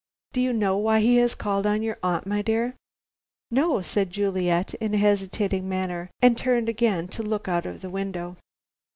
"Do you know why he has called on your aunt, my dear?" "No," said Juliet, in a hesitating manner, and turned again to look out of the window.